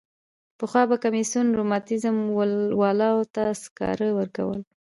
پخوا به کمیسیون رماتیزم والاوو ته سکاره ورکول.